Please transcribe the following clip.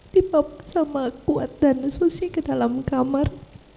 tipe sama kuat dan susi ke dalam kamar